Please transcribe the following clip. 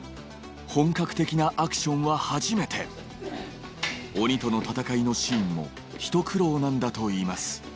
本格的なアクションは初めて鬼との戦いのシーンもひと苦労なんだといいます